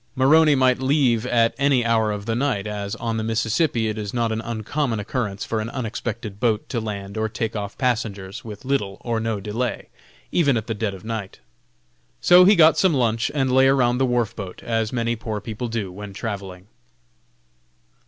Maroney might leave at any hour of the night, as, on the Mississippi it is not an uncommon occurrence for an unexpected boat to land or take off passengers with little or no delay, even at the dead of night. So he got some lunch, and lay around the wharf boat, as many poor people do while travelling.